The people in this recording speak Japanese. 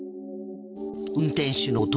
運転手の男